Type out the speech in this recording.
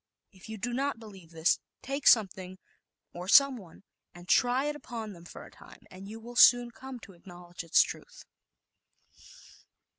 If you do not believe this, take some thing, or someone, and try it upon them for a time, and you will soon come to acknowledge its truth.